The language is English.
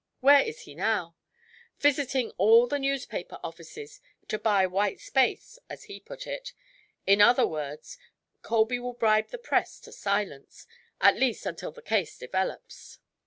"Where is he now?" asked Uncle John. "Visiting all the newspaper offices, to 'buy white space,' as he put it. In other words, Colby will bribe the press to silence, at least until the case develops."